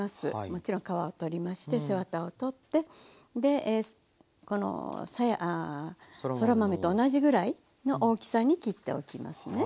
もちろん皮を取りまして背ワタを取ってでそら豆と同じぐらいの大きさに切っておきますね。